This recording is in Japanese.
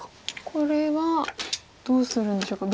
これはどうするんでしょうか。